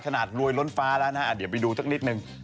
รวยล้นฟ้าแล้วนะเดี๋ยวไปดูสักนิดนึง